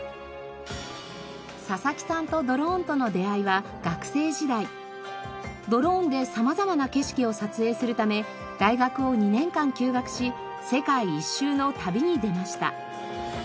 佐々木さんとドローンで様々な景色を撮影するため大学を２年間休学し世界一周の旅に出ました。